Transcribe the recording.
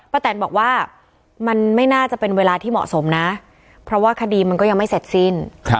แตนบอกว่ามันไม่น่าจะเป็นเวลาที่เหมาะสมนะเพราะว่าคดีมันก็ยังไม่เสร็จสิ้น